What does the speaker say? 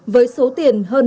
với số tiền hơn